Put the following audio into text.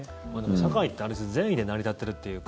社会ってある種善意で成り立ってるっていうか